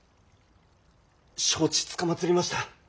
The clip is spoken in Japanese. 承知つかまつりました。